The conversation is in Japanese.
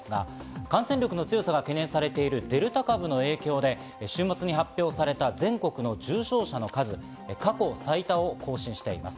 感染力の強さが懸念されるデルタ株の影響で週末に発表された全国の重症者の数、過去最多を更新し続けています。